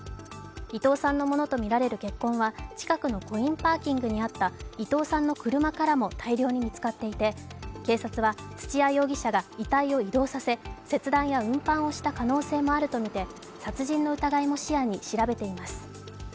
伊藤さんのものとみられる血痕は近くのコインパーキングにあった伊藤さんの車からも大量に見つかっていて警察は、土屋容疑者が遺体を移動させ、切断や運搬をした可能性もあるとみて殺人の疑いも視野に調べています。